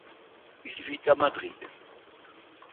Il vit à Madrid.